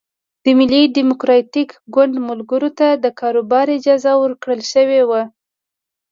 د ملي ډیموکراتیک ګوند ملګرو ته د کاروبار اجازه ورکړل شوې وه.